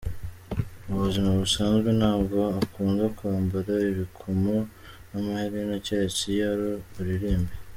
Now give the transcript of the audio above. Mu buzima busanzwe ntago akunda kwambara ibikomo n’amaherena keretse iyo ari buririmbe.